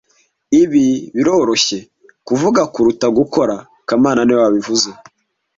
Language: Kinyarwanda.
Ibi biroroshye kuvuga kuruta gukora kamana niwe wabivuze